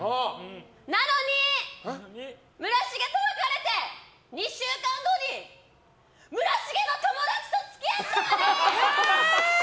なのに、村重と別れて２週間後に村重の友達と付き合ったよね！？